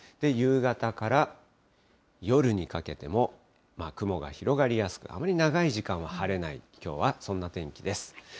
夕方から夜にかけても雲が広がりやすく、あまり長い時間は晴れない、きょうはそんな天気です。